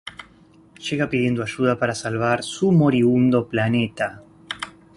Llega pidiendo ayuda para salvar su moribundo planeta.